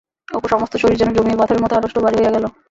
অপুর সমস্ত শরীর যেন জমিয়া পাথরের মতো আড়ষ্ট ও ভারী হইয়া গেল।